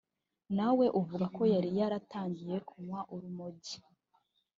nawe avuga ko yari yaratangiye kunywa urumogi